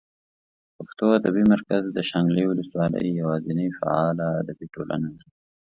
پښتو ادبي مرکز د شانګلې اولس والۍ یواځینۍ فعاله ادبي ټولنه ده